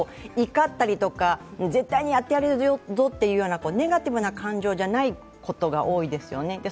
怒ったりとか絶対にやってやるぞっていうネガティブな感情じゃないことが多いですよね。